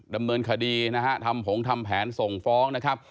ดำเนินคดีนะฮะทำผงทำแผนส่งฟ้องนะครับ